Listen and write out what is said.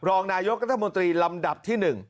รองนายกรัฐมนตรีลำดับที่๑